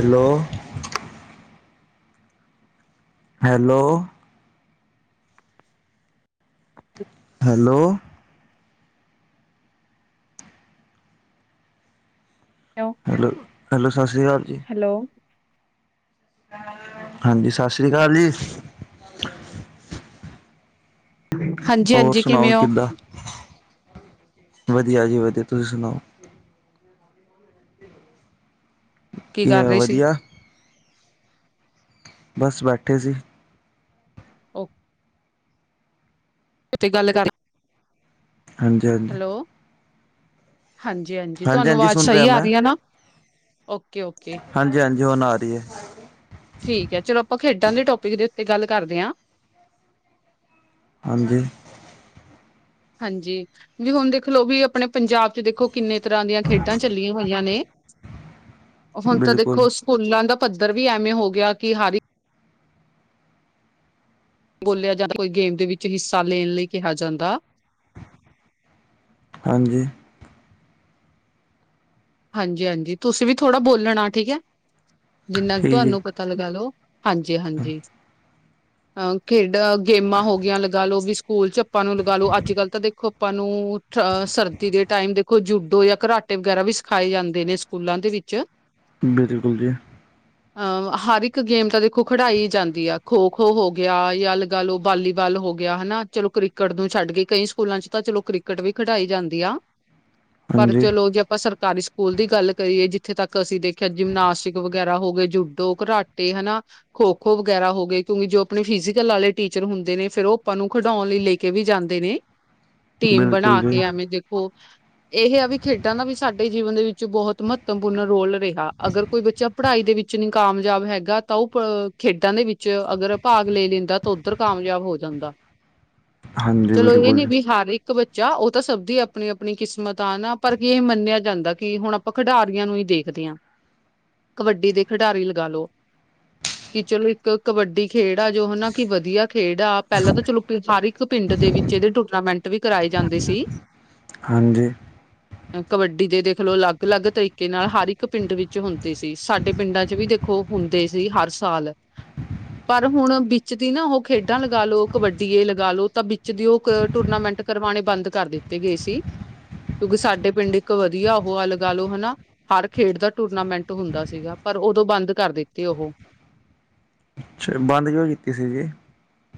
Hello. Hello. Hello hello hello hello ਸਤਿ ਸ਼੍ਰੀ ਅਕਾਲ ਜੀ। ਹੈਲੋ ਹਾਂਜੀ ਸਤਿ ਸ੍ਰੀ ਅਕਾਲ ਜੀ। ਹਾਂਜੀ। ਹੋਰ ਸੁਣਾਓ ਕਿੱਦਾਂ। ਵਧੀਆ ਜੀ ਵਧੀਆ ਤੁਸੀਂ ਸੁਣਾਓ ਕੀ ਕਰ ਕਿਵੇਂ ਰਹੇ ਸੀ? ਵਧੀਆ ਬਸ ਬੈਠੇ ਸੀ ਓ ਉਥੇ ਗੱਲ ਕਰ ਹਾਂਜੀ-ਹਾਂਜੀ। ਹਾਂਜੀ ਹਾਂਜੀ ਤੁਹਾਨੂੰ ਆਵਾਜ਼ ਸੁਣ ਰਿਹਾ ਸਹੀ ਆ ਮੈਂ, ਰਹੀ ਹੈ ਨਾ ਓਕੇ ਓਕੇ ਹਾਂਜੀ ਹਾਂਜੀ ਹੁਣ ਰਹੀ ਹੈ ਠੀਕ ਹੈ, ਚਲੋ ਆਪਾਂ ਖੇਡਾਂ ਦੇ ਟੋਪਿਕ ਦੇ ਉੱਤੇ ਗੱਲ ਕਰਦੇ ਹਾਂ ਹਾਂਜੀ ਹਾਂਜੀ ਵੀ ਹੁਣ ਦੇਖ ਲਓ ਵੀ ਆਪਣੇ ਪੰਜਾਬ ਚ ਦੇਖੋ ਕਿੰਨੇ ਤਰ੍ਹਾਂ ਦੀਆਂ ਖੇਡਾਂ ਚੱਲੀਆਂ ਹੋਈਆਂ ਨੇ। [unintelligible] ਹੁਣ ਤਾਂ ਬਿਲਕੁਲ। ਦੇਖੋ ਸਕੂਲਾਂ ਦਾ ਪੱਧਰ ਵੀ ਐਵੇਂ ਹੋ ਗਿਆ ਕਿ ਹਰ ਬੋਲਿਆ ਜਾਂਦਾ, ਕੋਈ ਗੇਮ ਦੇ ਵਿੱਚ ਹਿੱਸਾ ਲੈਣ ਲਈ ਕਿਹਾ ਜਾਂਦਾ। ਹਾਂਜੀ ਹਾਂਜੀ ਹਾਂਜੀ, ਤੁਸੀਂ ਵੀ ਥੋੜਾ ਬੋਲਣਾ ਠੀਕ ਹੈ, ਜਿੰਨਾ ਕੁ ਠੀਕ ਹੈ, ਤੁਹਾਨੂੰ ਪਤਾ ਲਗਾ ਲਓ। ਹਾਂਜੀ, ਹਾਂਜੀ, ਅ ਖੇਡ ਗੇਮਾਂ ਹੋਗੀਆਂ ਲਗਾ ਲਓ ਵੀ। ਸਕੂਲ ਚੱ ਆਪਾਂ ਨੂੰ ਲਗਾ ਲੋ, ਅੱਜ ਕੱਲ ਤਾਂ ਦੇਖੋ ਆਪਾਂ ਨੂੰ ਅ, ਸਰਦੀ ਦੇ ਟਾਈਮ ਦੇਖੋ ਜੂਡੋ ਜਾਂ ਘਟ ਕਰਾਟੇ ਵਗੈਰਾ ਵੀ ਸਿਖਾਏ ਜਾਂਦੇ ਨੇ ਸਕੂਲਾਂ ਦੇ ਵਿੱਚ। ਬਿਲਕੁਲ ਜੀ ਅਹ ਹਰ ਇੱਕ ਗੇਮ ਤਾਂ ਦੇਖੋ ਖਿਡਾਈ ਜਾਂਦੀ ਆ, ਖੋ ਖੋ ਹੋ ਗਿਆ ਜਾਂ ਅ ਲਗਾ ਲੋ ਵਾਲੀਬਾਲ ਹੋ ਗਿਆ ਹਨਾ, ਚਲੋ ਕ੍ਰਿਕਟ ਨੂੰ ਛੱਡ ਕੇ ਕਈ ਸਕੂਲਾਂ ਚ ਤਾਂ ਚਲੋ ਕ੍ਰਿਕਟ ਵੀ ਖਿਡਾਈ ਜਾਂਦੀ ਆ। ਅ [unintelligible] [unintelligible] ਪਰ ਚਲੋ ਜੇ ਆਪਾਂ ਸਰ ਸਰਕਾਰੀ ਸਕੂਲ ਦੀ ਗੱਲ ਕਰੀਏ, ਜਿੱਥੇ ਤੱਕ ਅਸੀਂ ਦੇਖਿਆ ਜਿਮਨਾਸਟਿਕ ਵਗੈਰਾ ਹੋ ਗਏ ਜੂਡੋ ਘਰਾਟੇ ਹਨਾ ਖੋ ਖੋ ਵਗੈਰਾ ਹੋ ਗਏ‌। ਕਿਉਂਕਿ ਜੋ ਆਪਣੇ ਫਿਜ਼ਕਲ ਵਾਲੇ ਟਿਚਰ ਹੁੰਦੇ ਨੇ, ਫਿਰ ਉਹ ਆਪਾਂ ਨੂੰ ਖਿਡਾਉਣ ਲਈ ਲ ਕੇ ਵੀ ਜਾਂਦੇ ਨੇ, ਟੀਮ ਬਿਲਕੁਲ ਬਣਾ ਜੀ। ਕੇ ਐਵੇਂ ਦੇਖੋ ਇਹ ਆ ਵੀ ਖੇਡਾਂ ਦਾ ਵੀ ਸਾਡਾ ਜੀਵਨ ਦੇ ਵਿੱਚ ਬਹੁਤ ਮਹੱਤਵਪੂਰਨ ਰੋਲ ਰਿਹਾ, ਅਗਰ ਕੋਈ ਬੱਚਾ ਪੜ੍ਹਾਈ ਦੇ ਵਿੱਚ ਨੀ ਕਾਮਯਾਬ ਹੈਗਾ। ਤਾਂ ਉਹ ਖੇਡਾਂ ਦੇ ਵਿੱਚ ਅਗਰ ਭਾਗ ਲੈ ਲੈਂਦਾ ਤਾਂ ਉੱਧਰ ਕਾਮਯਾਬ ਹੋ ਜਾਂਦਾ। ਹਾਂਜੀ ਚਲੋ ਇਹ ਬਿਲਕੁਲ ਨੀ ਜੀ, ਬ ਹਾਰ ਇੱਕ ਇੱਕ ਬੱਚਾ ਉਹ ਤਾਂ ਸਭ ਦੀ ਆਪਣੀ ਆਪਣੀ ਕਿਸਮਤ ਆ ਨਾ ਪਰ ਕੀ ਇਹ ਮੰਨਿਆ ਜਾਂਦਾ, ਕਿ ਹੁਣ ਆਪਾਂ ਖਿਡਾਰੀਆਂ ਨੂੰ ਹੀ ਦੇਖਦੇ ਹਾਂ, ਕਬੱਡੀ ਦੇ ਖਿਡਾਰੀ ਲਗਾ ਲਓ। ਕਿ ਚਲੋ ਇੱਕ ਕਬੱਡੀ ਖੇਡ ਆ ਜੋ ਹਨਾ ਕਿ ਵਧੀਆ ਖੇਡ ਆ ਪਹਿਲਾਂ ਤਾਂ ਚਲੋ ਹਰ ਇੱਕ ਪਿੰਡ ਦੇ ਵਿੱਚ ਇਹਦੇ ਟੂਰਨਾਮੈਂਟ ਵੀ ਕਰਵਾਏ ਜਾਂਦੀ ਸੀ। ਹਾਂਜੀ ਕਬੱਡੀ ਦੇਖ ਲਓ ਅਲੱਗ ਅਲੱਗ ਤਰੀਕੇ ਨਾਲ ਹਰ ਇੱਕ ਪਿੰਡ ਵਿੱਚ ਹੁੰਦੇ ਸੀ ਸਾਡੇ ਪਿੰਡਾਂ ਚ ਵੀ ਦੇਖ ਓ ਹੁੰਦੇ ਸੀ ਹਰ ਸਾਲ। ਪਰ ਹੁਣ ਬਿੱਚ ਦੀ ਨਾ ਓਹੋ ਖੇਡਾਂ ਲਗਾ ਲਓ ਕਬੱਡੀਏ ਲਗਾ ਲਓ ਤਾ ਬਿ ਚ ਦੀ ਓ ਕ ਟੂਰਨਾਮੈਂਟ ਕਰਵਾਣੇ ਬਾਂਦ ਕਾਰ ਦਿੱਤੇ ਗਏ ਸੀ, ਕਯੁਕਿ ਸਾਡੇ ਪਿੰਡ ਇੱਕ ਵਦੀਆ ਓ ਆ ਲਗਾ ਲੋ ਹਨਾ। ਹਰ ਖੇਡ ਦਾ ਟੂਰਨਾਮੈਂਟ ਹੁੰਦਾ ਸੀਗਾ ਪਰ ਓਦੋਂ ਬਾਂਦ ਕਾਰ ਦਿੱਤੀ ਓ ਹੋ। ਅੱਛਾ ਬਾੱਦ ਕਯੋ ਕੀਤੀ ਸੀ ਜੀ।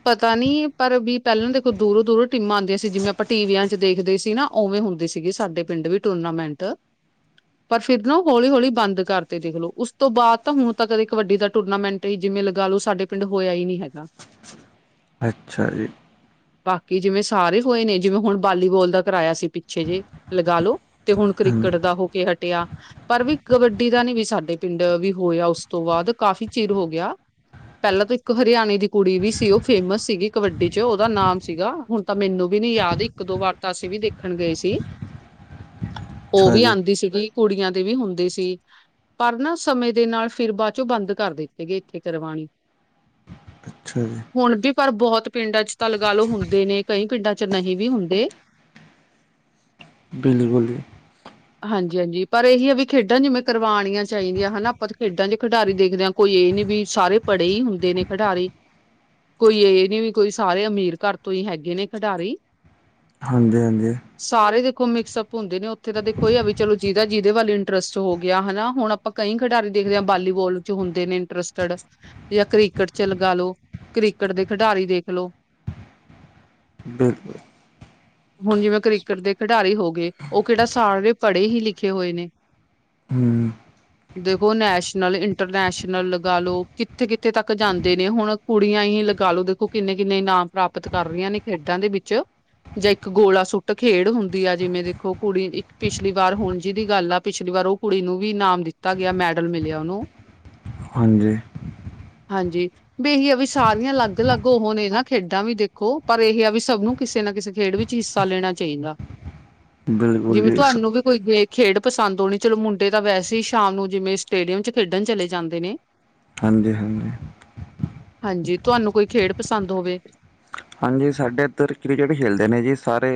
ਪਤਾ ਨੀ ਪਰ ਵੀ ਪੈਲਾਂ ਦੇਖੋ ਦੂਰੋ-ਦੂਰੋ ਟੀਮਾਂ ਆਨਦੀਆਂ ਸੀ ਜਿਵੇ ਆਪਾ ਟੀਵੀਆਂ ਚ ਦੇਖਦੇ ਸੀ ਨਾ। ਓਵੇਂ ਹੁੰਦੀ ਸੀਗੀ ਸਾਡੇ ਪਿੰਡ ਵੀ ਟੂਰਨਾਮੈਂਟ। ਪਰ ਫਿਰ ਨਾ ਓ ਹੌਲੀ-ਹੌਲੀ ਬਾਂਦ ਕਾਰਦੇ ਦੇਖਲੋ ਉਸ ਤੋ ਬਾਦ ਤਾ ਹੁਨ ਤਕ ਕਦੇ ਕਬੱਡੀ ਦਾ ਟੂਰਨਾਮੈਂਟ ਤੁਹੀ ਜਿਵੇ ਲਗਾ ਲੋ ਸਾਡੇ ਪਿੰਡ ਹੋਏਯਾ ਈ ਨੀ ਹੈਗਾ। ਅੱਛਾ ਜੀ। ਬਾਕੀ ਜਿਵੇ ਸਾਰੇ ਹੋਏ ਨੇ ਜਿਵੇ ਹੁਨ ਬਾਲੀਵੋਲ ਦਾ ਕਰਾਏਆ ਸੀ ਪਿੱਛੇ ਜੇ, ਲਗਾ ਲੋ। ਤੇ ਹੁਨ ਹਾਂਜੀ, ਕ੍ਰਿਕੇਟ ਦਾ ਹੋ ਕੇ ਹਟੇਆ। ਪਰ ਵੀ ਕਬੱਡੀ ਦਾ ਨੀ ਵੀ ਸਾਡੇ ਪਿੰਡ ਵੀ ਹੋਏਆ ਉਸ ਤੋ ਬਾਦ ਕਾਫ਼ੀ ਚਿਰ ਹੋ ਗਯਾ। ਪੈਲਾਂ ਤਾ ਇੱਕ ਹਰਿਆਣੇ ਦੀ ਕੁੜੀ ਵੀ ਸੀ ਓ ਫੇਮਸ ਸੀਗੀ ਕਬੱਡੀ ਚ ਓਦਾ ਨਾਮ ਸੀਗਾ, ਹੁਨ ਤਾ ਮੈਨੂੰ ਵੀ ਨੀ ਯਾਦ ਇੱਕ ਦੋ ਵਾਰ ਤਾ ਅਸੀ ਵੀ ਦੇਖਣ ਗਏ ਸੀ। ਓ ਅੱਛਾ ਵੀ ਜੀ, ਆਂਦੀ ਸੀਗੀ ਕੁੜੀਆਂ ਦੇ ਵੀ ਹੋਂਦੇ ਸੀ। ਪਰ ਨਾ ਸਮੇਂ ਦੇ ਨਾਲ ਫੇਰ ਬਾਚੋਂ ਬਾਂਦ ਕਾਰ ਦਿੱਤੇ ਗਏ, ਇੱਥੇ ਕਰਵਾਨੇ। ਅੱਛਾ ਜੀ। ਹੁਨ ਵੀ ਪਰ ਬੋਹਤ ਪਿੰਡਾਂ ਚ ਤਾ ਲਗਾ ਲਓ ਹੁੰਦੇ ਨੀ ਕਈ ਪਿੰਡਾਂ ਚ ਨਹੀਂ ਵੀ ਹੁੰਦੇ। ਬਿੱਲਕੁਲ ਜੀ। ਹਾਂਜੀ-ਹਾਂਜੀ ਪਰ ਇਹੀ ਆ ਵੀ ਖੇਡਾਂ ਜਿਵੇਂ ਕਰਵਾਣੀਆਂ ਚਾਹੀਦੀਆ ਹਨਾ ਆਪਾ ਖੇਡਾਂ ਜੇ ਖਿਡਾਰੀ ਦੇਖਦੇ ਹਾਂ ਕੋਈ ਏ ਨੀ ਵੀ ਸਾਰੇ ਪੜ੍ਹੇ ਈ ਹੁੰਦੇ ਨੇ ਖਡਾਰੀ। ਕੋਈ ਏ ਨੀ ਵੀ ਕੋਈ ਸਾਰੇ ਅਮੀਰ ਘਾੱਰ ਤੋ ਈ ਹੈਗੇ ਨੇ ਖਡਾਰੀ। ਹਾਂਜੀ ਹਾਂਜੀ। ਸਾਰੇ ਦੇਖੋ ਮਿਕਸਅਪ ਹੋਨਦੇ ਨੇ ਓਥੇ ਤਾਂ ਦੇਖੋ ਏਆ ਵੀ ਚਲੋ ਜਿਦਾ ਜਿੱਦੇ ਵੱਲ ਇੰਟਰਸਟ ਹੋ ਗਯਾ ਹਨਾ, ਹੋਣ ਆਪਾਂ ਕਈ ਖਡਾਰੀ ਦੇਖਦੇ ਹਾਂ ਬਾਲੀਵੋਲ ਜੋ ਹੁੰਦੇ ਨੇ ਇਨਟ੍ਰਸਟਡ ਯਾ ਕ੍ਰਿਕਟ ਚ ਲਗਾ ਲਓ, ਕ੍ਰਿਕਟ ਦੇ ਖਡਾਰੀ ਦੇਖ ਲੋ। ਬਿਲਕੁਲ ਹੁਨ ਜਿਵੇ ਕ੍ਰਿਕੇਟ ਦੇ ਖਡਾਰੀ ਹੋ ਗੇ ਓ ਕੇੜਾ ਸਾਰੇ ਪੜੇ ਹੀ ਲਿਖੇ ਹੋਏ ਨੇ। ਹੂੰ। ਦੇਗੋ ਨੈਸ਼ਨਲ, ਇੰਟਰਨੈਸ਼ਨਲ ਲਗਾ ਲਓ ਕਿੱਥੇ-ਕਿੱਥੇ ਤੱਕ ਜਾਂਦੇ ਨੇ ਹੋਣ ਕੁੜੀਆਂ ਈ ਲਗਾਲੋ ਦੇਖੋ ਕਿੰਨੇ-ਕਿੰਨੇ ਇਨਾਮ ਪ੍ਰਾਪਤ ਕਾਰ ਰਈਆਂ ਨੇ ਖੇਡਾਂ ਦੇ ਵਿੱਚ। ਜਾ ਇੱਕ ਗੋਲਾ ਸੁੱਟ ਖੇਡ ਹੁੰਦੀ ਆ ਜਿਵੇ ਦੇ ਓ ਕੁੜੀ ਇੱਕ ਪਿਛਲੀ ਵਾਰ ਹੁਨ ਜਿਦੀ ਗਾੱਲ ਆ ਪਿਛਲੀ ਵਾਰ ਓ ਕੁੜੀ ਨੂੰ ਵੀ ਇਨਾਮ ਦਿੱਤਾ ਗਯਾ ਮੈਡਲ ਮਿਲਯਾ ਓਨੂੰ। ਹਾਂਜੀ। ਹਾਂਜੀ। ਵੀ ਇਹੀ ਆ ਵੀ ਸਾਰੀਆਂ ਅਲੱਗ-ਅਲੱਗ ਓਹ ਨੇ ਨਾ ਖੇਡਾਂ ਵੀ ਦੇਖੋ ਪਰ ਇਹੀ ਆ ਵੀ ਸੱਬ ਨੂੰ ਕਿਸੇ ਨਾ ਕਿਸੇ ਖੇਡ ਵਿੱਚ ਹਿੱਸਾ ਲੇਣਾ ਚਾਈਦਾ। ਬਿਲਕੁਲ ਜਿਵੇਂ ਜੀ ਸ ਤੁਆਨੂੰ ਵੀ ਕੋਈ ਗ ਖੇਡ ਪਸਾਂਦ ਓਣੀ ਚਲੋ ਮੁੰਡੇ ਤਾਂ ਵੈਸੇ ਈ ਸ਼ਾਮ ਨੂੰ ਜਿਵੇਂ ਸਟੇਡੀਅਮ ਚ ਖੇਡਨ ਚਲੇ ਜਾਂਦੇ ਨੇ। ਹਾਂਜੀ-ਹਾਂਜੀ। ਹਾਂਜੀ, ਤੁਆਨੂੰ ਕੋਈ ਖੇਡ ਪਸਾਂਦ ਹੋਵੇ। ਹਾਂਜੀ, ਸਾਡੇ ਇੱਧਰ ਕ੍ਰਿਕਟ ਖੇਡਦੇ ਨੇ ਜੀ ਸਾਰੇ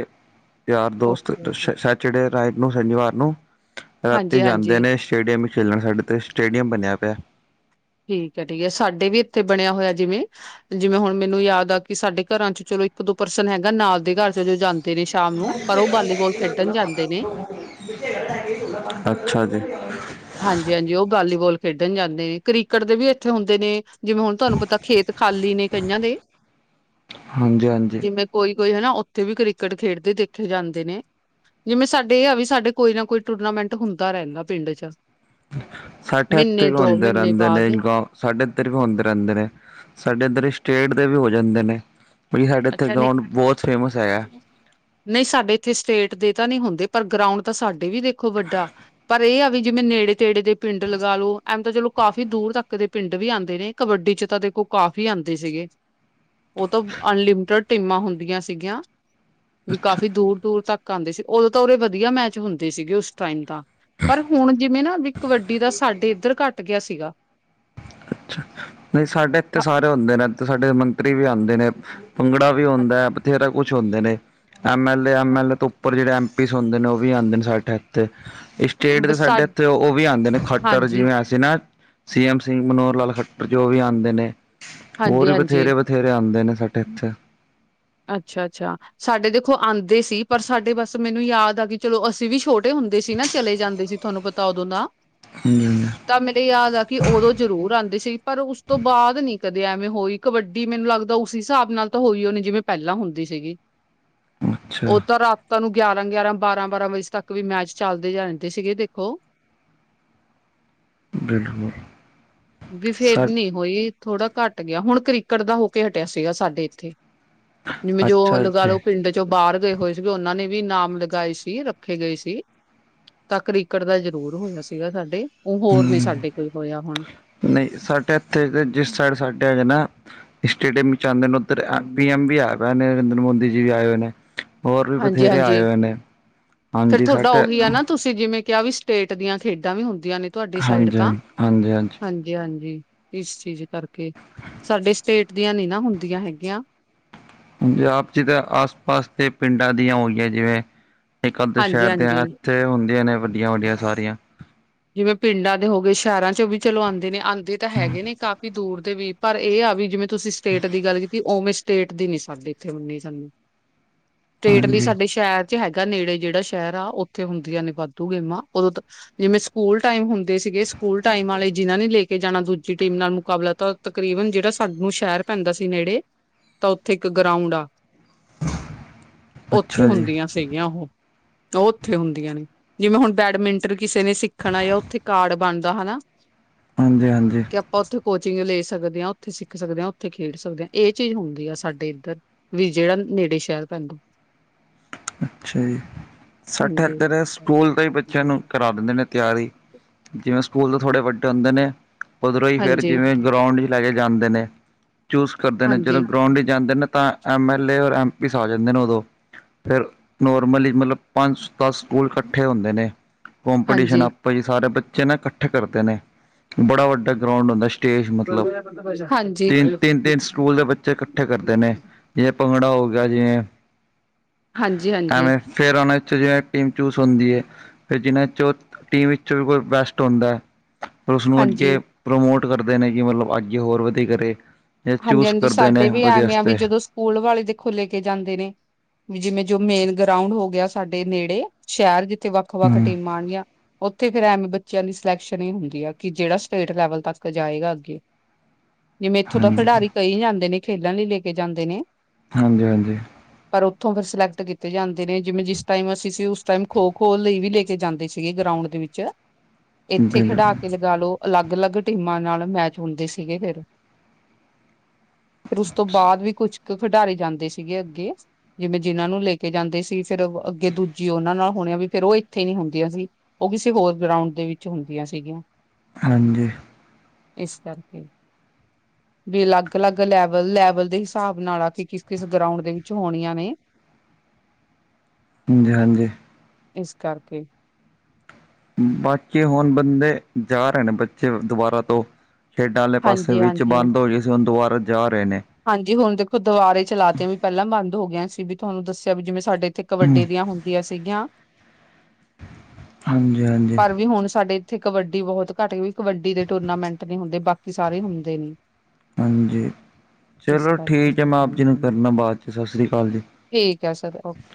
ਯਾਰ ਦੋਸਤ ਓਕੇ-ਓਕੇ। ਜਿਹੜੇ ਰਾਈਟ ਨੂੰ ਸ਼ਨੀਵਾਰ ਨੂੰ ਰਾਤੀ ਜਾਂਦੇ ਹਾਂਜੀ-ਹਾਂਜੀ ਨੇ? ਸਟੇਡੀਅਮ ਵੀ ਖੇਡਣ ਸਾਡੇ, ਤੇ ਸਟੇਡੀਅਮ ਬਣਿਆ ਪਿਆ ਠੀਕ ਹੈ ਠੀਕ ਹੈ, ਸਾਡੇ ਵੀ ਇੱਥੇ ਬਣਿਆ ਹੋਇਆ ਜਿਵੇਂ ਜਿਵੇਂ ਹੁਣ ਮੈਨੂੰ ਯਾਦ ਆ ਕਿ ਸਾਡੇ ਘਰਾਂ ਚ ਚਲੋ ਇੱਕ ਦੋ ਪਰਸਨ ਹੈਗਾ ਨਾਲ ਦੇ ਘਰ ਚ ਜੋ ਜਾਂਦੇ ਨੇ ਸ਼ਾਮ ਨੂੰ ਪਰ ਉਹ ਵਾਲੀਬਾਲ ਖੇਡਣ ਜਾਂਦੇ ਨੇਂ [inaudible] ਅੱਛਾ ਜੀ। ਹਾਂਜੀ ਹਾਂਜੀ, ਉਹ ਵਾਲੀਬਾਲ ਖੇਡਣ ਜਾਂਦੇ ਨੇ। ਕ੍ਰਿਕਟ ਦੇ ਵੀ ਇੱਥੇ, ਹੁੰਦੇ ਨੇ ਜਿਵੇਂ ਹੁਣ ਤੁਹਾਨੂੰ ਪਤਾ ਖੇਤ ਖਾਲੀ ਨੇ ਕਈਆਂ ਦੇ। ਹਾਂਜੀ-ਹਾਂਜੀ। ਜਿਵੇਂ ਕੋਈ ਕੋਈ ਹਨਾ, ਉੱਥੇ ਵੀ ਕ੍ਰਿਕਟ ਖੇਡਦੇ ਦੇਖੇ ਜਾਂਦੇ ਨੇ। ਜਿਵੇਂ ਸਾਡੇ ਇਹ ਆ ਵੀ ਸਾਡੇ ਕੋਈ ਨਾ ਕੋਈ ਟੂਰਨਾਮੈਂਟ ਹੁੰਦਾ ਰਹਿੰਦਾ ਪਿੰਡ 'ਚ ਸਾਡੇ ਇਥੇ ਮਹੀਨੇ ਵੀ ਦੋ ਹੋਂਦੇ ਮਹੀਨੇ ਰਹਿੰਦੇ ਨੇਂ ਬਾਅਦ ਗਾ ਸਾਡੇ ਇੱਧਰ ਵੀ ਹੁੰਦੇ ਰਹਿੰਦੇ ਨੇ, ਸਾਡੇ ਇੱਧਰ ਹੀ ਸਟੇਟ ਦੇ ਵੀ ਹੋ ਜਾਂਦੇ ਨੇ। ਵੀ ਸਾਡੇ ਇੱਥੇ ਅੱਛਾ ਗਰਾਊਂਡ ਬਹੁਤ ਫੇਮਸ ਹੈਗਾ। ਨਹੀਂ ਨਹੀਂ, ਸਾਡੇ ਇੱਥੇ ਸਟੇਟ ਦੇ ਤਾਂ ਨਹੀਂ ਹੁੰਦੇ, ਪਰ ਗਰਾਊਂਡ ਤਾਂ ਸਾਡੇ ਵੀ ਦੇਖੋ ਵੱਡਾ ਪਰ ਇਹ ਆ ਵੀ ਜਿਵੇਂ ਨੇੜੇ ਤੇੜੇ ਦੇ ਪਿੰਡ ਲਗਾ ਲਓ, ਐਮੇਤਾਂ ਚਲੋ ਕਾਫ਼ੀ ਦੂਰ ਤੱਕ ਦੇ ਪਿੰਡ ਵੀ ਆਉਂਦੇ ਨੇ। ਕਬੱਡੀ 'ਚ ਤਾਂ ਦੇਖੋ ਕਾਫੀ ਆਉਂਦੇ ਸੀਗੇ ਉਹ ਤਾਂ ਅਨਲਿਮਿਟਡ ਟੀਮਾਂ ਹੁੰਦੀਆਂ ਸੀਗੀਆਂ, ਵੀ ਅੱਛਾ ਕਾਫ਼ੀ ਦੂਰ ਦੂਰ ਤੱਕ ਆਉਂਦੇ ਸੀ, ਉਦੋਂ ਤਾਂ ਉਰੇ ਵਧੀਆ ਮੈਚ ਹੁੰਦੇ ਸੀਗੇ ਉਸ ਟਾਈਮ ਤਾ। ਪਰ ਹੁਣ ਜਿਵੇਂ ਨਾ, ਵੀ ਕਬੱਡੀ ਦਾ ਸਾਡੇ ਇੱਧਰ ਘੱਟ ਗਿਆ ਸੀਗਾ। ਨਹੀਂ, ਸਾਡੇ ਇੱਥੇ ਹਾਂ, ਸਾਰੇ ਹੁੰਦੇ ਅੱਛਾ, ਨੇ ਤੇ ਸਾਡੇ ਮੰਤਰੀ ਵੀ ਆਉਂਦੇ ਨੇ। ਬੰਗੜਾ ਵੀ ਹੁੰਦਾ ਹੈ, ਬਥੇਰਾ ਕੁੱਛ ਹੁੰਦੇ ਨੇ, ਐਮ ਐਲ ਏ ਐਮ ਅੱਛਾ, ਐਲ ਏ ਤੋਂ ਉੱਪਰ ਜਿਹੜੇ ਐਮ ਸੋਂਦੇ ਨੇ ਉਹ ਵੀਉਂ ਨੇ ਸਾਡੇ ਇੱਥੇ ਸਟੇਟ ਦੇ ਬਸ ਸਾ- ਸਾਡੇ ਇੱਥੇ ਉਹ ਵੀ ਆਉਂਦੇ ਨੇ ਖੱਟਰ ਹਾਂਜੀ ਜਿਵੇਂ ਅਸੀਂ ਨਾ ਸੀ ਐਮ ਸਿੰਘ ਮਨੋ ਲਾਲ ਖੱਟਰ ਜੋ ਵੀ ਆਉਂਦੇ ਨੇ ਹਾਂਜੀ ਹੋਰ ਵੀ ਹਾਂਜੀ ਬਥੇਰੇ ਬਥੇਰੇ ਆਉਂਦੇ ਨੇ ਸਾਡੇ ਇੱਥੇ ਅੱਛਾ ਅੱਛਾ ਸਾਡੇ ਦੇਖੋ ਆਉਂਦੇ ਸੀ ਪਰ ਸਾਡੇ ਬਸ ਮੈਨੂੰ ਯਾਦ ਆ ਕਿ ਚਲੋ ਅਸੀਂ ਵੀ ਛੋਟੇ ਹੁੰਦੇ ਸੀ ਨਾ ਚਲੇ ਜਾਂਦੇ ਸੀ ਤੁਹਾਨੂੰ ਪਤਾ ਓਦੋ ਨਾ [unintelligible] ਤਾਂ ਮੇਰੇ ਯਾਦ ਆ ਕਿ ਉਦੋਂ ਜ਼ਰੂਰ ਆਉਂਦੇ ਸੀ ਪਰ ਉਸ ਤੋਂ ਬਾਅਦ ਨੀ ਕਦੇ ਐਵੇਂ ਹੋਈ ਕਬੱਡੀ ਮੈਨੂੰ ਲੱਗਦਾ ਉਸ ਹਿਸਾਬ ਨਾਲ ਤਾਂ ਹੋਈ ਉਹਨੇ ਜਿਵੇਂ ਪਹਿਲਾਂ ਹੁੰਦੀ ਸੀਗੀ ਅੱਛਾ ਉਹ ਤਾਂ ਰਾਤ ਤੁਹਾਨ ਨੂੰ ਗਿਆਰਾਂ ਗਿਆਰਾਂ ਬਾਰਾਂ ਬਾਰਾਂ ਵਜੇ ਤੱਕ ਵੀ ਮੈਚ ਚੱਲਦੇ ਰਹਿੰਦੇ ਸੀਗੇ ਦੇਖੋ ਬਿਲਕੁਲ ਬ ਫੇਰ ਸਾ ਨੀ ਉਹੀ ਥੋੜਾ ਘੱਟ ਗਿਆ ਹੁਣ ਕ੍ਰਿਕਟ ਦਾ ਹੋ ਕੇ ਹਟਿਆ ਸੀਗਾ ਸਾਡੇ ਇੱਥੇ ਜਿਵੇਂ ਜੋ ਅੱਛਾ ਲਗਾ ਜੀ ਲਓ ਪਿੰਡ ਚੋਂ ਬਾਹਰ ਗਏ ਹੋਏ ਸੀਗੇ ਉਹਨਾਂ ਨੇ ਵੀ ਇਨਾਮ ਲਗਾਏ ਸੀ ਰੱਖੇ ਗਏ ਸੀ ਤਕਰੀਕੜ ਦਾ ਜ਼ਰੂਰ ਹੋਇਆ ਸੀਗਾ ਸਾਡੇ ਉਹ ਹੋਰ ਨੇ ਹਮ ਸਾਡੇ ਕੋਲ ਹੋਇਆ ਹੁਣ ਨਹੀਂ ਸਾਡੇ ਇੱਥੇ ਜਿਸ ਸਾਈਡ ਸਾਡੇ ਹੈਗੇ ਨਾ ਸਟੇਡੀਅਮ ਵਿੱਚ ਆਉਂਦੇ ਨੇ ਪੀ ਹੂੰ। ਐਮ ਵੀ ਆ ਪ ਨੇ ਨਰਿੰਦਰ ਮੋਦੀ ਜੀ ਵੀ ਆਏ ਹੋਏ ਨੇ ਹੋਰ ਵੀ ਹਾਂਜੀ ਬਥੇਰੇ ਆਏ ਹਾਂਜੀ ਹੋਏ ਨੇ ਫੇਰ ਹਾਂਜੀ ਤੁਹਾਡਾ ਸਾਟ ਉਹੀ ਆ ਨਾ ਤੁਸੀਂ ਜਿਵੇਂ ਕਿਹਾ ਵੀ ਸਟੇਟ ਦੀਆਂ ਖੇਡਾਂ ਵੀ ਹੁੰਦੀਆਂ ਨੇ ਤੁਹਾਡੀ ਸਾਈਡ ਹਾਂਜੀ ਹਾਂਜੀ ਤਾਂ ਹਾਂਜੀ ਜ ਹਾਂਜੀ ਇਸ ਚੀਜ਼ ਕਰਕੇ ਸਾਡੇ ਸਟੇਟ ਦੀਆਂ ਨੀ ਨਾ ਹੁੰਦੀਆਂ ਹੈਗੀਆਂ ਪੰਜਾਬ ਚ ਤਾਂ ਆਸ ਪਾਸ ਦੇ ਪਿੰਡਾਂ ਦੀਆਂ ਹੋਈਆਂ ਜਿਵੇਂ ਕੱਲ ਤੋਂ ਹਾਂਜੀ ਸ਼ਹਿਰ ਦੇ ਹਾਂਜੀ ਇੱਥੇ ਹੁੰਦੀਆਂ ਨੇ ਵੱਡੀਆਂ ਵੱਡੀਆਂ ਸਾਰੀਆਂ ਜਿਵੇਂ ਪਿੰਡਾਂ ਦੇ ਹੋ ਗਏ ਸ਼ਹਿਰਾਂ ਚ ਉਹ ਵੀ ਚਲੋ ਆਉਂਦੇ ਨੇ ਆਉਂਦੇ ਤਾਂ ਹੈਗੇ ਨੇ ਕਾਫੀ ਦੂਰ ਦੇ ਵੀ ਪਰ ਇਹ ਆ ਵੀ ਜਿਵੇਂ ਤੁਸੀਂ ਸਟੇਟ ਦੀ ਗੱਲ ਕੀਤੀ ਉ ਓਵੇਂ ਸਟੇਟ ਦੀ ਨੀ ਸਾਡੀ ਇੱਥੇ ਮੰਨੀ ਸਾਨੂੰ ਸਟੇਟ ਲਈ ਹਾਂਜੀ ਸਾਡੇ ਸ਼ਹਿਦ ਵਿੱਚ ਹੈਗਾ ਨੇੜੇ ਜਿਹੜਾ ਸ਼ਹਿਰ ਆ ਉੱਥੇ ਹੁੰਦੀਆਂ ਨੇ ਵਾਧੂ ਗੇਮਾਂ ਉਦੋਂ ਜਿਵੇਂ ਸਕੂਲ ਟਾਈਮ ਹੁੰਦੇ ਸੀਗੇ ਸਕੂਲ ਟਾਈਮ ਵਾਲੇ ਜਿਨ੍ਹਾਂ ਨੇ ਲੈ ਕੇ ਜਾਣਾ ਦੂਜੀ ਟੀਮ ਨਾਲ ਮੁਕਾਬਲਾ ਤਾਂ ਤਕਰੀਬਨ ਜਿਹੜਾ ਸਾਨੂੰ ਸ਼ਹਿਰ ਪੈਂਦਾ ਸੀ ਨੇੜੇ ਤਾਂ ਉੱਥੇ ਇੱਕ ਗਰਾਊਂਡ ਆ ਉੱਥੇ ਅੱਛਾ ਜੀ ਹੁੰਦੀਆਂ ਗੀਆਂ ਉਹ ਉਹ ਉੱਥੇ ਹੁੰਦੀਆਂ ਨੇ ਜਿਵੇਂ ਹੁਣ ਬੈਡਮਿੰਟਨ ਕਿਸੇ ਨੇ ਸਿੱਖ ਦੇਖਣਾ ਆ ਉੱਥੇ ਕਾਰਡ ਬਣਦਾ ਹਨਾ ਹਾਂਜੀ ਹਾਂਜੀ ਕਿ ਆਪਾਂ ਉੱਥੇ ਕੋਚਿੰਗ ਲੈ ਸਕਦੇ ਹਾਂ ਉੱਥੇ ਸਿੱਖ ਸਕਦੇ ਹਾਂ ਉੱਥੇ ਖੇਡ ਸਕਦੇ ਹਾਂ ਇਹ ਚੀਜ਼ ਹੁੰਦੀ ਆ ਸਾਡੇ ਇੱਧਰ ਵੀ ਜਿਹੜਾ ਨੇੜੇ ਸ਼ਹਿਰ ਪੈਂਦਾ ਅੱਛਾ ਜੀ ਸਾਡੇ ਹਾਂਜੀ ਇਧਰ ਸਕੂਲ ਦਾ ਹੀ ਬੱਚਿਆਂ ਨੂੰ ਕਰਾ ਦਿੰਦੇ ਨੇ ਤਿਆਰੀ ਜਿਵੇਂ ਸਕੂਲ ਦੇ ਥੋੜੇ ਵੱਡੇ ਹੁੰਦੇ ਨੇ ਉੱਧਰੋਂ ਹੀ ਫੇਰ ਹਾਂਜੀ ਜਿਵੇਂ ਗਰਾਊਂਡ ਚ ਲੈ ਕੇ ਜਾਂਦੇ ਨੇ ਚੂਸ ਕਰਦੇ ਨੇ ਜਦੋਂ ਹਾਂਜੀ ਗਰਾਊਂਡ ਜਾਂਦੇ ਨੇ ਤਾਂ ਐੱਮ ਐੱਲ ਏ ਔਰ ਐੱਮ ਪੀਸ ਆ ਜਾਂਦੇ ਨੇ ਉਦੋਂ ਫਿਰ ਨੋਰਮਲੀ ਮਤਲਬ ਪੰਜ ਦਸ ਸਕੂਲ ਇਕੱਠੇ ਹੁੰਦੇ ਨੇ ਹਾਂਜੀ ਕਪੀਟੀਸ਼ਨ ਸਾਰੇ ਬੱਚੇ ਨੇ ਇਕੱਠੇ ਕਰਦੇ ਨੇ ਬੜਾ ਵੱਡਾ ਗਰਾਾਊਂਡ ਹੁੰਦਾ ਸਟੇਜ ਮਤਲਬ ਹਾਂਜੀ। ਹਾਂਜੀ, ਤਿੰਨ ਤਿੰਨ ਹਾਂਜੀ। ਤਿੰਨ ਸਕੂਲ ਦੇ ਬੱਚੇੱ ਇਕੱਠੇ ਕਰਦੇ ਨੇ ਜਿਵੇਂ ਭੰਗੜਾ ਹੋ ਗਿਆ ਜਿਵੇਂ ਹਾਂਜੀ ਹਾਂਜੀ ਐਵੇਂ ਫਿਰ ਆਉਣਾ ਇੱਥੇ ਜਿਂ ਟੀਮ ਚੂਜ਼ ਹੁੰਦੀ ਹੈ ਫਿਰ ਜਿਹਨਾਂ ਚੋਂ ਟੀਮ ਵਿੱਚੋਂ ਵੀ ਕੋਈ ਬੈਸਟ ਹੁੰਦਾ ਪਰ ਉਸਨੂੰ ਹਾਂਜੀ, ਅੱਗੇ ਪ੍ਰਮੋਟ ਕਰਦੇ ਨੇ ਕਿ ਮਤਲਬ ਅੱਗੇ ਹੋਰ ਵਧੀਆ ਕਰੇ ਜਾਂ ਹਾਂਜੀ ਚੂਸ ਹਾਂਜੀ ਕਰਦੇ ਸਾਡੇ ਨੇ ਵੀ ਵਧੀਆ ਐਵੇਂ ਆ ਵੀ ਵਾਸਤੇ ਜਦੋਂ ਸਕੂਲ ਵਾਲੇ ਦੇਖੋ ਲੈ ਕੇ ਜਾਂਦੇ ਨੇ ਵੀ ਜਿਵੇਂ ਜੋ ਮੇਨ ਗਰਾਉਂਡ ਹੋ ਗਿਆ ਸਾਡੇ ਨੇੜੇ ਸ਼ਹਿਰ ਜਿੱ ਵੱਖ ਵੱਖ ਹਮ ਟੀਮਾਂ ਆਣਗੀਆਂ ਉੱਥੇ ਫਿਰ ਐਵੇਂ ਬੱਚਿਆਂ ਦੀ ਸਿਲੈਕਸ਼ਨ ਇਹ ਹੁੰਦੀ ਆ ਕਿ ਜਿਹੜਾ ਸਟੇਟ ਲੈਵਲ ਤੱਕ ਜਾਏਗਾ ਅੱਗੇ ਜਿਵੇਂ ਇੱਥੋਂ ਤਾਂ ਹਾਂਜੀ ਖਿਡਾਰੀ ਕਈ ਜਾਂਦੇ ਨੇ ਖੇਡਣ ਲਈ ਲੈ ਕੇ ਜਾਂਦੇ ਨੇ। ਹਾਂਜੀ ਹਾਂਜੀ। ਪਰ ਉੱਥੋਂ ਫਿਰ ਸਿਲੈਕਟ ਕੀਤੇ ਜਾਂਦੇ, ਨੇ ਜਿਵੇਂ ਜਿਸ ਟਾਈਮ ਅਸੀਂ ਸੀ ਉਸ ਟਾਈਮ ਖੋ ਖੋ ਲਈ ਵੀ ਲੈ ਕੇ ਜਾਂਦੇ ਸੀ। ਸੀਗੇ ਗਰਾਊਂਡ ਦੇ ਵਿੱਚ। ਹ [unintelligible] ਇੱਥੇ ਖਿਡਾ ਕੇ ਲਗਾ ਲਓ ਅਲੱਗ ਅਲੱਗ ਟੀਮਾਂ ਨਾਲ ਮੈਚ ਹੁੰਦੇ ਸੀਗੇ ਫਿਰ। ਫਿਰ ਉਸ ਤੋਂ ਬਾਅਦ ਵੀ ਕੁਛ ਕੁ ਖਿਡਾਰੀ ਜਾਂਦੇ ਸੀਗੇ ਅੱਗੇ। ਜਿਵੇਂ ਜਿਹਨਾਂ ਨੂੰ ਲੈ ਕੇ ਜਾਂਦੇ ਸੀ, ਫੇਰ ਅੱਗੇ ਦੂਜੀ ਉਹਨਾਂ ਨਾਲ ਹੋਣੀਆਂ ਵੀ ਫੇਰ ਉਹ ਇੱਥੇ ਨੀ ਹੁੰਦੀਆਂ ਸੀ। ਉਹ ਕਿਸੇ ਹੋਰ ਗਰਾਊਂਡ ਦੇ ਵਿੱਚ ਹੁੰਦੀਆਂ ਸੀਗੀਆਂ। ਹਾਂਜੀ। ਇਸ ਕਰਕੇ। ਵੀ ਅਲੱਗ ਅਲੱਗ ਲੈਵਲ ਲੈਵਲ ਦੇ ਹਿਸਾਬ ਨਾਲ ਆ ਕੇ ਕਿਸ ਕਿਸ ਗਰਾਊਂਡ ਦੇ ਵਿੱਚ ਹੋਣੀਆਂ ਨੇ। ਹਾਂਜੀ ਹਾਂਜੀ। ਇਸ ਕਰਕੇ। ਬਾਕੀ ਹੁਣ ਬੰਦੇ ਜਾ ਰਹੇ ਨੇ ਬੱਚੇ ਦੁਬਾਰਾ ਤੋਂ। ਖੇਡਾਂ ਵਾਲੇ ਪਾਸੇ ਵਿੱਚ ਹਾਂਜੀ-ਹਾਂਜੀ। ਬੰਦ ਹੋ ਗਈ ਸੀ, ਹੁਣ ਦੁਬਾਰਾ ਜਾ ਰਹੇ ਨੇ। ਹਾਂਜੀ ਹੁਣ ਦੇਖੋ ਦੁਵਾਰੇ ਚਲਾ ਤੀਆ ਵੀ ਪਹਿਲਾਂ ਬੰਦ ਹੋ ਗਈਆ ਸੀ ਵੀ, ਤੁਹਾਨੂੰ ਦੱਸਿਆ ਵੀ ਜਿਵੇਂ ਸਾਡੇ ਇੱਥੇ। ਕਬੱਡੀ ਦੀਆਂ ਹੁੰਦੀਆਂ ਸੀਗੀਆਂ ਹਾਂਜੀ ਹਾਂਜੀ ਪਰ ਵੀ ਹੁਣ ਸਾਡੇ। ਇੱਥੇ ਕਬੱਡੀ ਬਹੁਤ ਘੱਟ ਹੁੰਦੀ, ਕਬੱਡੀ ਦੇ ਟੂਰਨਾਮੈਂਟ ਨਹੀਂ ਹੁੰਦੇ, ਬਾਕੀ ਸਾਰੇ ਹੁੰਦੇ ਨੇ। ਹਾਂਜੀ ਇਸ ਚਲੋ ਠੀਕ ਹੈ, ਕਰਕੇ ਮੈਂ ਆਪ ਜੀ ਨੂੰ ਕਰਨਾ ਬਾਅਦ 'ਚ ਸਤਿ ਸ਼੍ਰੀ ਅਕਾਲ ਜੀ। ਠੀਕ ਆ ਸਰ ਓਕੇ।